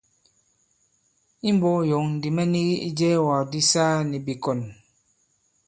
I mbɔ̄k yɔ̌ŋ ndī mɛ nigi ijɛɛwàk di saa nì bìkɔ̀n.